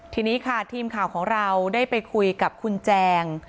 ทีนี้ค่ะทีมข่าวของเราได้ไปคุยกับคุณแจง